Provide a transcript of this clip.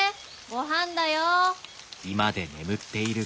ごはんだよ。